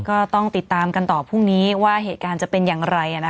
ก็ต้องติดตามกันต่อพรุ่งนี้ว่าเหตุการณ์จะเป็นอย่างไร